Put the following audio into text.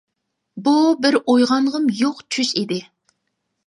بۇ بىر ئويغانغۇم يوق چۈش ئىدى.